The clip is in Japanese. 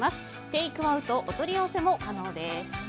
テイクアウト、お取り寄せも可能です。